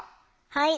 はい。